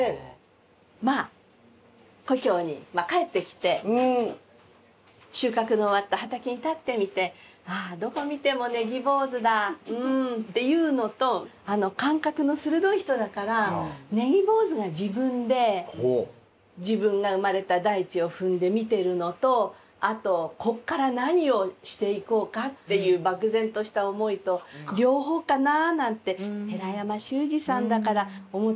まあ故郷に帰ってきて収穫の終わった畑に立ってみて「ああどこ見ても葱坊主だうん」っていうのと感覚の鋭い人だから葱坊主が自分で自分が生まれた大地を踏んで見てるのとあとこっから何をしていこうかっていう漠然とした思いと両方かななんて寺山修司さんだから思ったりしました。